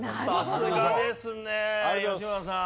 さすがですね吉村さん。